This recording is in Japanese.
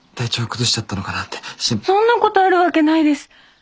そんなことあるわけないです！